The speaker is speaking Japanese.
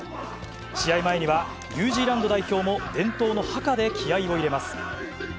試合前には、ニュージーランド代表も伝統のハカで気合いを入れます。